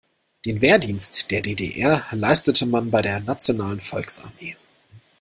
Den Wehrdienst der D-D-R leistete man bei der nationalen Volksarmee.